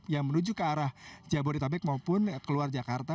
yang menuju ke arah jabodetabek maupun keluar jakarta